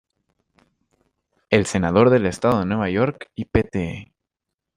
El senador del estado de Nueva York y Pte.